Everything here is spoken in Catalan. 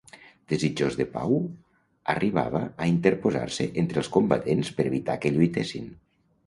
Desitjós de pau, arribava a interposar-se entre els combatents per evitar que lluitessin.